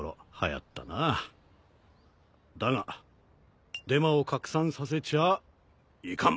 だがデマを拡散させちゃいかん。